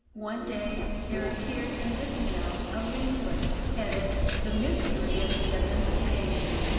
One day there appeared in the town a leaflet, headed: "The Mystery of the Annunciation."